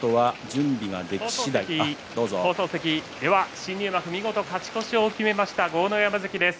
新入幕、見事勝ち越しを決めました豪ノ山関です。